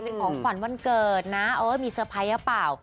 เป็นของขวัญวันเกิดนะเออมีเตอร์ไพรส์หรือเปล่า